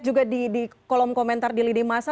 juga di kolom komentar di lidimasa